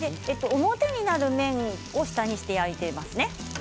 表になる面を下にして焼いていますね。